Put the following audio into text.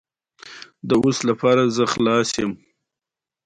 په افغانستان کې وحشي حیوانات د خلکو د ژوند په کیفیت تاثیر کوي.